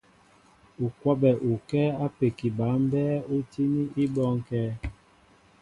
U kwabɛ ukɛ́ɛ́ ápeki ba mbɛ́ɛ́ ú tíní í bɔ́ŋkɛ̄.